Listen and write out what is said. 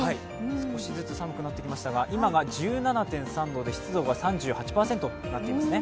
少しずつ寒くなってきましたが今が１７．３度で湿度が３８％となっていますね。